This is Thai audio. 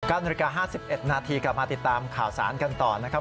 นาฬิกา๕๑นาทีกลับมาติดตามข่าวสารกันต่อนะครับ